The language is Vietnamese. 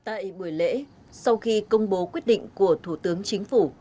tại buổi lễ sau khi công bố quyết định của thủ tướng chính phủ